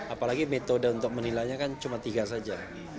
apalagi metode untuk menilainya kan cuma tiga saja